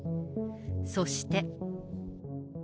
そして。